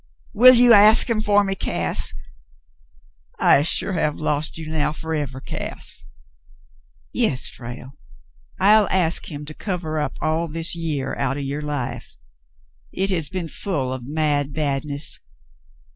"Will you ask him for me, Cass ? I sure hev lost you now — forever, Cass !" "Yes, Frale. I'll ask him to cover up all this year out of your life. It has been full of mad badness.